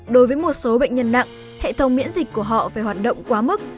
đối với một số bệnh nhân nặng hệ thống miễn dịch của họ phải hoạt động quá mức